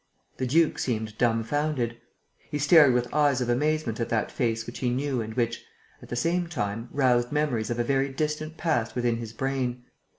The duke seemed dumbfounded. He stared with eyes of amazement at that face which he knew and which, at the same time, roused memories of a very distant past within his brain.